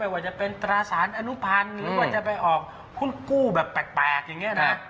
ว่าจะเป็นตราสารอนุพันธ์หรือว่าจะไปออกหุ้นกู้แบบแปลกอย่างนี้นะ